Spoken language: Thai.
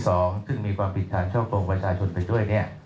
ซึ่งมีความผิดฐานช่อกงประชาชนไปด้วย